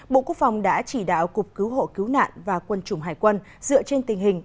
bộ quốc phòng đã chỉ đạo cục cứu hộ cứu nạn và quân chủng hải quân dựa trên tình hình